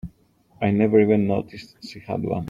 I never even noticed she had one.